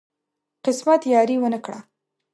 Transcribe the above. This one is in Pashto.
قسمت یاري ونه کړه.